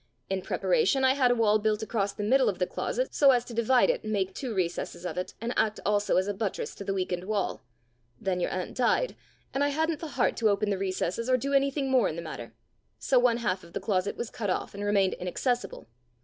In preparation, I had a wall built across the middle of the closet, so as to divide it and make two recesses of it, and act also as a buttress to the weakened wall. Then your aunt died, and I hadn't the heart to open the recesses or do anything more in the matter. So one half of the closet was cut off, and remained inaccessible.